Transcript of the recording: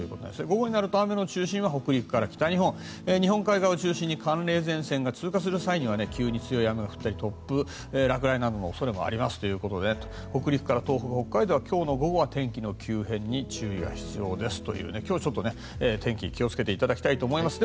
午後になると雨の中心は北陸から北日本日本海側を中心に寒冷前線が通過する際には急に強い雨が降ったり突風、落雷などの恐れもありますということで北陸から東北、北海道は今日の午後は天気の急変に注意が必要ですというちょっと今日は天気に気をつけていただきたいと思います。